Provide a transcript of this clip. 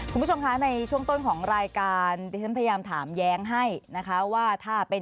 คุณผู้ชมคะในช่วงต้นของรายการดิฉันพยายามถามแย้งให้นะคะว่าถ้าเป็น